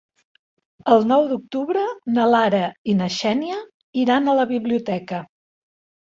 El nou d'octubre na Lara i na Xènia iran a la biblioteca.